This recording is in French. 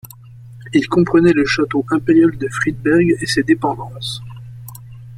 Il comprenait le château impérial de Friedberg et ses dépendances.